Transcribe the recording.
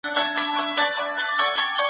موږ سوله او ثبات غواړو.